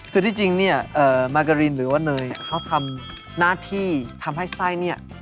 คือที่จริงเนี่ยมากะรินหรือว่าเนยเขาทำหน้าที่ทำให้ไส้เนี่ย